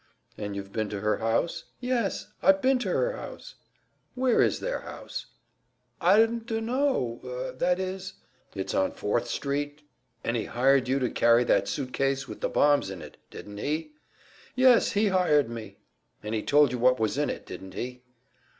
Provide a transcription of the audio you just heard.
"And you've been to her house?" "Yes, I've been to her house." "Where is their house?" "I dunno that is " "It's on Fourth Street?" "Yes, it's on Fourth Street." "And he hired you to carry that suit case with the bombs in it, didn't he?" "Yes, he hired me." "And he told you what was in it, didn't he?"